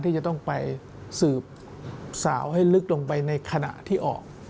ที่จะต้องไปสืบสาวให้ลึกลงไปในขณะที่ออก